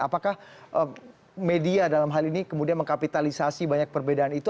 apakah media dalam hal ini kemudian mengkapitalisasi banyak perbedaan itu